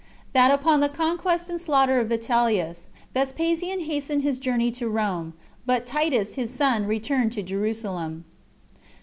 That Upon The Conquest And Slaughter Of Vitellius Vespasian Hastened His Journey To Rome; But Titus His Son Returned To Jerusalem.